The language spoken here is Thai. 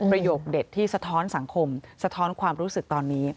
ประโยคเด็ดที่สะท้อนสังคมสะท้อนความรู้สึกตอนนี้